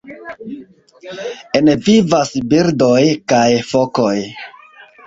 En vivas birdoj kaj fokoj.